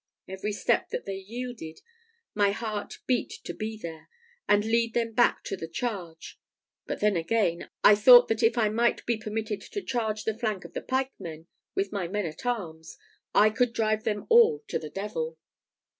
Every step that they yielded, my heart beat to be there, and lead them back to the charge; but then again, I thought that if I might be permitted to charge the flank of the pikemen with my men at arms, I could drive them all to the devil.